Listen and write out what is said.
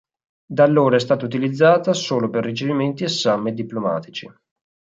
Da allora è stata utilizzata solo per ricevimenti e summit diplomatici.